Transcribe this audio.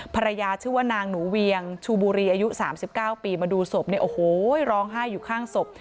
ภรรยาชื่อว่านางหนูเวียงชูบุรีอายุ๓๙ปีมาดูศพเนี่ยโอ้โหร้องไห้อยู่ข้างศพ